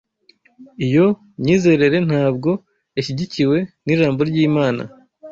Iyo myizerere ntabwo ishyigikiwe n’Ijambo ry’Imana